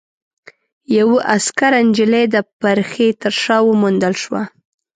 يوه عسکره نجلۍ د پرښې تر شا وموندل شوه.